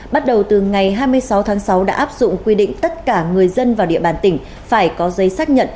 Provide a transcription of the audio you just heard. bắt đầu từ ngày hai mươi sáu tháng sáu đã áp dụng quy định tất cả người dân vào địa bàn tỉnh phải có giấy xác nhận